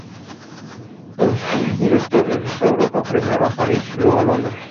El director regresó a Europa, primero a París y luego a Londres.